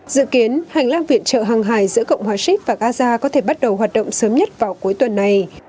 dự kiến hành lang viện trợ hàng hải giữa cộng hòa ship và gaza có thể bắt đầu hoạt động sớm nhất vào cuối tuần này